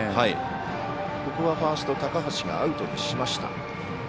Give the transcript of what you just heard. ここはファースト、高橋がアウトにしました。